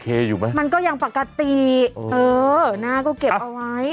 เออหน้าก็เก็บเอาไว้